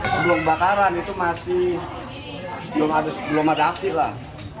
sebelum bakaran itu masih belum ada api lah